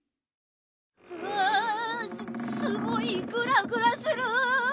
うわすごいグラグラする。